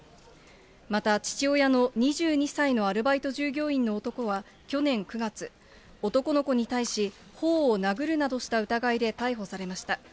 また、父親の２２歳のアルバイト従業員の男は去年９月、男の子に対し、ほおを殴るなどした疑いで逮捕されました。